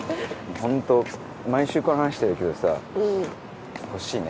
ホント毎週この話してるけどさ欲しいね。